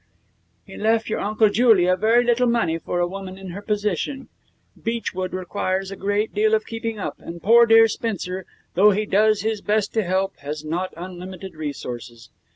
'He left your Aunt Julia very little money for a woman in her position. Beechwood requires a great deal of keeping up, and poor dear Spencer, though he does his best to help, has not unlimited resources.